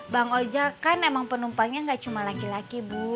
bang ojek kan emang penumpangnya nggak cuma laki laki bu